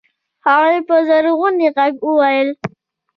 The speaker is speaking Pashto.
هغې په ژړغوني غږ وويل.